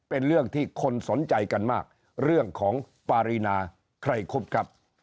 เป็นเรื่องที่คนสนใจกันมากเรื่องของปารีนาไกรคุบครับ